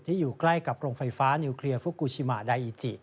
อยู่ใกล้กับโรงไฟฟ้านิวเคลียร์ฟุกูชิมาดาอิจิ